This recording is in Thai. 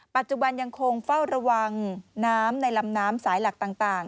ปัจจุบันยังคงเฝ้าระวังน้ำในลำน้ำสายหลักต่าง